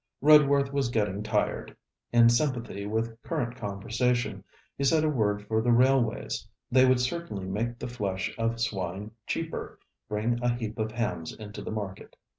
Redworth was getting tired. In sympathy with current conversation, he said a word for the railways: they would certainly make the flesh of swine cheaper, bring a heap of hams into the market.